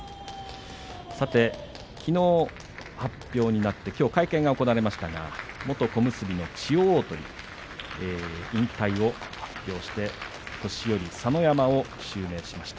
さて、きのう発表になってきょう会見が行われました元小結の千代鳳引退を発表して年寄佐ノ山を襲名しました。